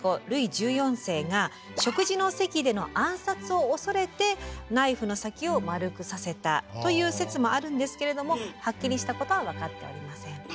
ルイ１４世が食事の席での暗殺をおそれてナイフの先を丸くさせたという説もあるんですけれどもはっきりしたことは分かっておりません。